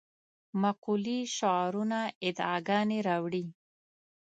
مقولې شعارونه ادعاګانې راوړې.